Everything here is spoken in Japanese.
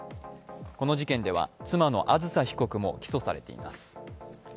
この事件では、妻のあずさ被告も起訴されています。